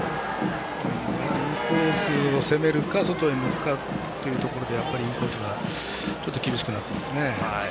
インコースを攻めるか外に抜くかというところでインコースが厳しくなってますね。